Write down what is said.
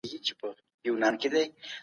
اوولس عدد دئ.